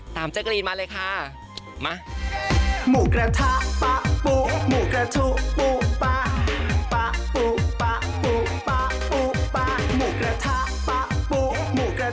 แจ๊กรีนมาเลยค่ะ